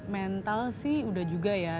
mental sih udah juga ya